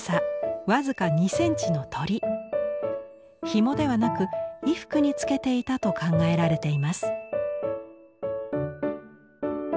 ひもではなく衣服につけていたと考えられています。